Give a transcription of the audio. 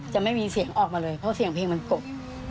จะไม่มีเสียงออกมาเลยเพราะเสียงเพลงมันกบ